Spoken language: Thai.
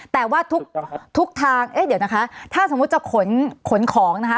แต่ว่าทุกทางเอ๊ะเดี๋ยวนะคะถ้าสมมุติจะขนขนของนะคะ